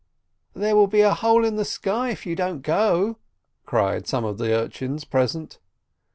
"There will be a hole in the sky if you don't go," cried some of the urchins present.